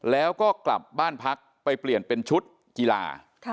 แล้วก็กลับบ้านพักไปเปลี่ยนเป็นชุดกีฬา